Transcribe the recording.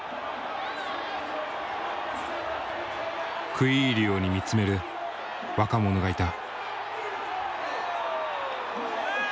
食い入るように見つめる若者がいた。